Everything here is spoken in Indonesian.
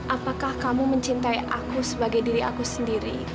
apakah kamu mencintai aku sebagai diri aku sendiri